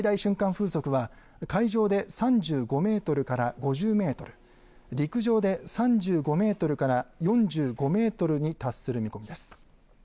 風速は海上で３５メートルから５０メートル、陸上で３５メートルから４５メートルに達する見込みです。